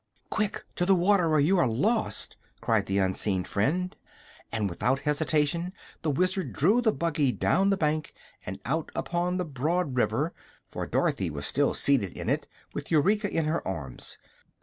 "Quick! To the water, or you are lost!" cried their unseen friend, and without hesitation the Wizard drew the buggy down the bank and out upon the broad river, for Dorothy was still seated in it with Eureka in her arms.